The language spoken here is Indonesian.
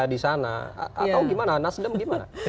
di sana atau gimana nasdem gimana